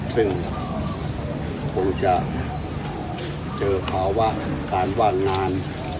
ซึ่งคงจะเจอขาวว่าการว่างงาน